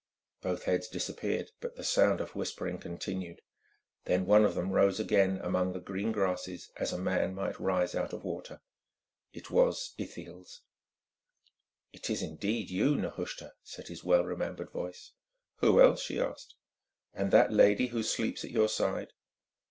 Both heads disappeared, but the sound of whispering continued. Then one of them rose again among the green grasses as a man might rise out of water. It was Ithiel's. "It is indeed you, Nehushta?" said his well remembered voice. "Who else?" she asked. "And that lady who sleeps at your side?"